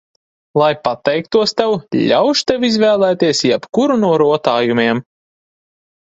Lai pateiktos tev, ļaušu tev izvēlēties jebkuru no rotājumiem.